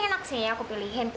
ini enak sih aku pilihin